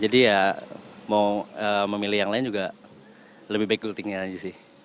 jadi ya mau memilih yang lain juga lebih baik gulai tikungannya aja sih